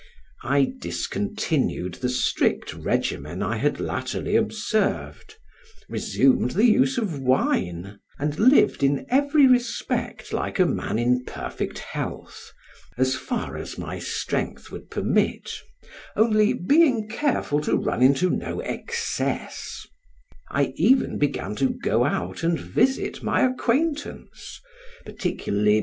I discontinued the strict regimen I had latterly observed, resumed the use of wine, and lived in every respect like a man in perfect health, as far as my strength would permit, only being careful to run into no excess; I even began to go out and visit my acquaintance, particularly M.